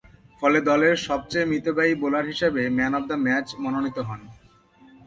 ফলে দলের সবচেয়ে মিতব্যয়ী বোলার হিসাবে ম্যান অব দ্য ম্যাচ মনোনীত হন।